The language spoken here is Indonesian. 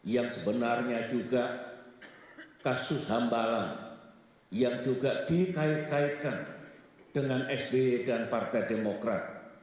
yang sebenarnya juga kasus hambalang yang juga dikait kaitkan dengan sby dan partai demokrat